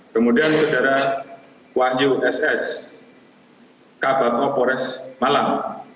kemudian saudara wahyu ss kabakopores malang